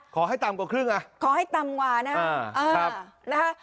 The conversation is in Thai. ขอให้ต่ำกว่าครึ่งนะขอให้ต่ำมานะอ่านะครับ